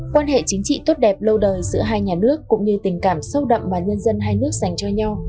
quan hệ chính trị tốt đẹp lâu đời giữa hai nhà nước cũng như tình cảm sâu đậm mà nhân dân hai nước dành cho nhau